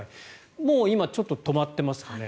もう今ちょっと止まっていますかね。